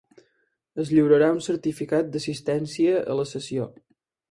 Es lliurarà un certificat d'assistència a la sessió.